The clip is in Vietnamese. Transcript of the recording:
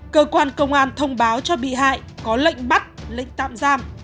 cơ quan công an thông báo cho bị hại có lệnh bắt lệnh tạm giam